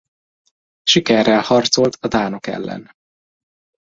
Sikerrel harcolt a dánok ellen.